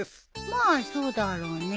まあそうだろうね。